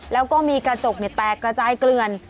แล้วก็มีกระจกแตกระจายเกลือน